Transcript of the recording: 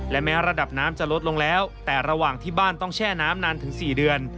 และแม้ระดับน้ำจะลดลงแล้วแต่ระหว่างที่บ้านต้องแช่น้ำนานถึง๔เดือน